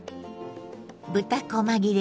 豚こま切れ